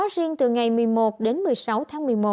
riêng từ ngày một mươi một đến một mươi sáu tháng một mươi một